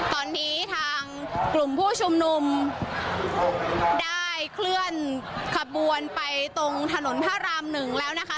ตอนนี้ทางกลุ่มผู้ชุมนุมได้เคลื่อนขบวนไปตรงถนนพระรามหนึ่งแล้วนะคะ